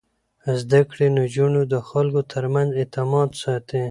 زده کړې نجونې د خلکو ترمنځ اعتماد ساتي.